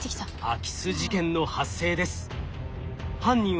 空き巣事件の発生です。